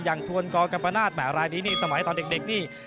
อย่างทวนกกัมปะนาฏแบบรายดีนี่สมัยตอนเด็กนี่